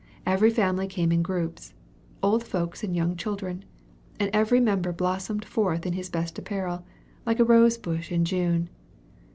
Every family came in groups old folks and young children; and every member blossomed forth in his best apparel, like a rose bush in June.